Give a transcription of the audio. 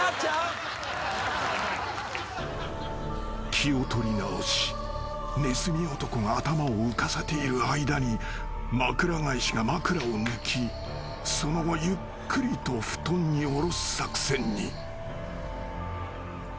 ［気を取り直しねずみ男が頭を浮かせている間にまくら返しが枕を抜きその後ゆっくりと布団に下ろす作戦に］